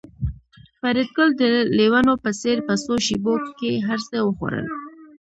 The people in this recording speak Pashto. فریدګل د لېونو په څېر په څو شېبو کې هرڅه وخوړل